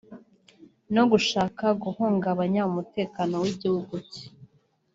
no gushaka guhungabanya umutekano w’igihugu cye